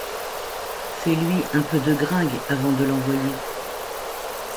Fais-lui un peu de gringue avant de l’envoyer.